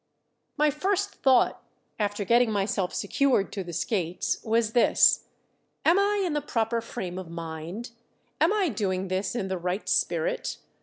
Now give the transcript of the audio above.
My first thought, after getting myself secured to the skates, was this: "Am I in the proper frame of mind? Am I doing this in the right spirit?